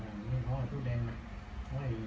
อันนี้ก็ไม่มีเจ้าพ่อหรอก